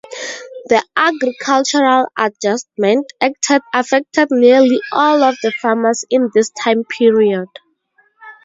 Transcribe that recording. The Agricultural Adjustment Acted affected nearly all of the farmers in this time period.